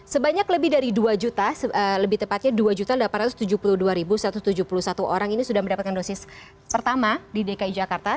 sebanyak lebih dari dua juta lebih tepatnya dua delapan ratus tujuh puluh dua satu ratus tujuh puluh satu orang ini sudah mendapatkan dosis pertama di dki jakarta